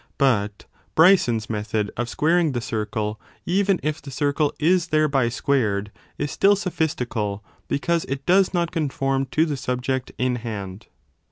But Bryson s method of squaring the circle, 1 even if the circle is thereby squared, is still sophistical because it does not con form to the subject in hand.